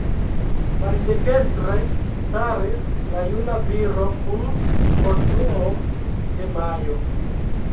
Maldekstre staris la "Juna Viro kun kostumo de majo".